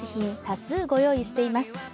多数ご用意しています。